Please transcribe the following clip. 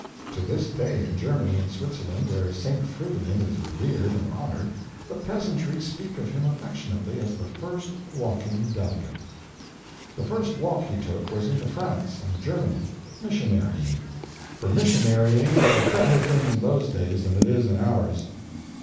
To this day in Germany and Switzerland, where St. Fridolin is revered and honored, the peasantry speak of him affectionately as the first walking delegate. The first walk he took was into France and Germany, missionarying—for missionarying was a better thing in those days than it is in ours.